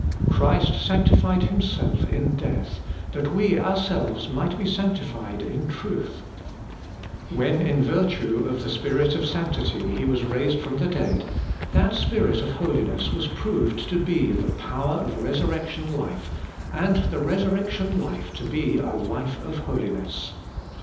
Christ sanctified Him self in death, that we ourselves might be sanctified in truth : when in virtue of the Spirit of sanctity He was raised from the dead, that Spirit of holiness was proved to be the power of Eesurrection Life, and the Resurrection Life to be a Life of Holiness.